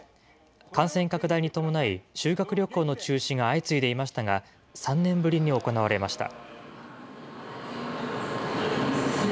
感染拡大に伴い、修学旅行の中止が相次いでいましたが、３年ぶりに行われました。